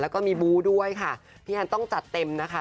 แล้วก็มีบู๊ด้วยค่ะพี่แอนต้องจัดเต็มนะคะ